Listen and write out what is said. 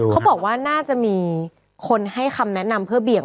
เขาบอกว่าน่าจะมีคนให้คำแนะนำเพื่อเบี่ยง